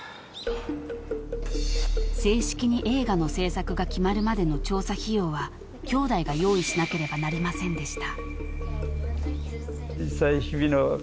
［正式に映画の製作が決まるまでの調査費用は兄弟が用意しなければなりませんでした］